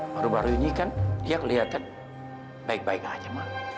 baru baru ini kan dia kelihatan baik baik aja